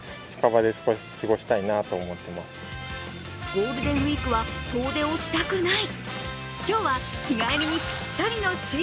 ゴールデンウイークは遠出をしたくない！